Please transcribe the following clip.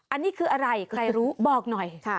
อันนี้คืออะไรใครรู้บอกหน่อย